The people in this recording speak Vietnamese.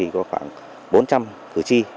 có khoảng bốn trăm linh cử tri